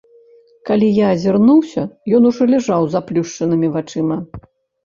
Калі я азірнуўся, ён ужо ляжаў з заплюшчанымі вачыма.